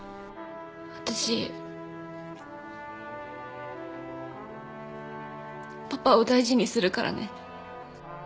私パパを大事にするからね。